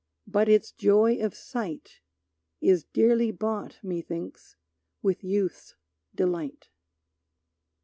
But its joy of sight Is dearly bought, methinks, with Youth's delight.